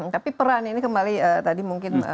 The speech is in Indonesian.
tapi peran ini kembali tadi mungkin